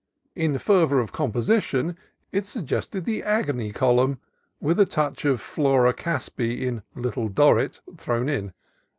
In fervor of composi tion it suggested the "agony column," with a touch of Flora Casby, in "Little Dorrit," thrown in.